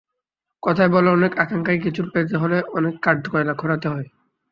কথায় বলে অনেক আকাঙ্ক্ষার কিছু পেতে হলে অনেক কাঠ কয়লা পোড়াতে হয়।